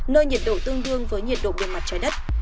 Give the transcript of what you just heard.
nơi nhiệt độ tương đương với nhiệt độ bề mặt trái đất